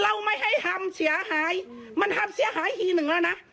เราไม่ให้ทำเสียหายมันทำเสียหายทีหนึ่งแล้วนะ